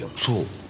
そう！